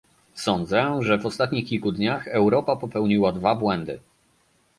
Sądzę, że w ostatnich kilku dniach Europa popełniła dwa błędy